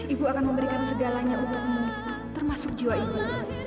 ibu akan memberikan segalanya untukmu termasuk jiwa ibu